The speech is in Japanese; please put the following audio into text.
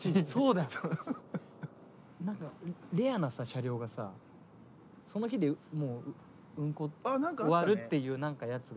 何かレアな車両がさその日で運行終わるっていうやつがさ。